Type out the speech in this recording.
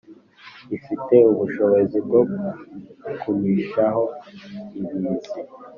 ifite ubushobozi bwo kukumishaho ibizi